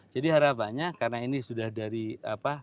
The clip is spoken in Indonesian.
jadi harapannya karena ini sudah dari apa